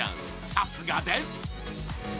さすがです］